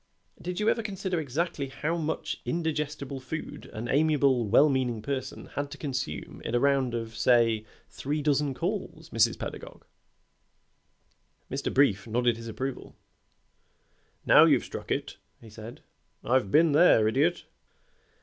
Did you ever consider exactly how much indigestible food an amiable, well meaning person had to consume in a round of, say, three dozen calls, Mrs. Pedagog?" Mr. Brief nodded his approval. "Now you've struck it," he said. "I've been there, Idiot."